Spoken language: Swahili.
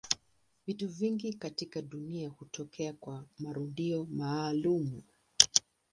Vitu vingi katika dunia hutokea kwa marudio maalumu.